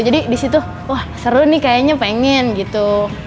jadi disitu wah seru nih kayaknya pengen gitu